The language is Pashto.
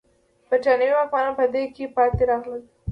برېټانوي واکمنان په دې کې پاتې راغلل.